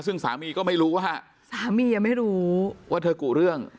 ซึ่งสามีก็ไม่รู้ว่าสามียังไม่รู้ว่าเธอกุเรื่อง